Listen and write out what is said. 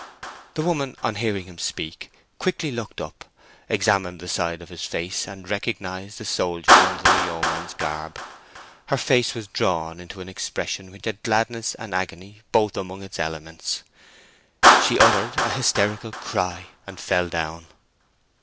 The woman, on hearing him speak, quickly looked up, examined the side of his face, and recognized the soldier under the yeoman's garb. Her face was drawn into an expression which had gladness and agony both among its elements. She uttered an hysterical cry, and fell down.